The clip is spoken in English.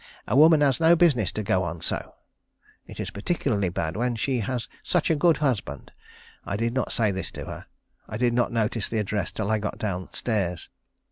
A woman has no business to go on so. It is particularly bad when she has such a good husband. I did not say this to her. I did not notice the address till I got down stairs.